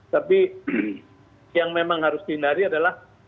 tapi yang memang harus dihindari adalah